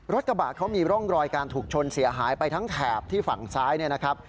รถกระบะเขามีร่องรอยการถูกชนเสียหายไปทั้งแถบที่ฝั่งซ้ายเนี่ยนะครับ